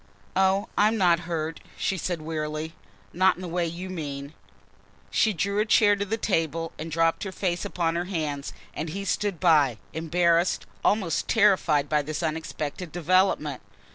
"Oh, I'm not hurt," she said wearily, "not hurt in the way you mean." She drew a chair to the table and dropped her face upon her hands and he stood by, embarrassed, almost terrified, by this unexpected development.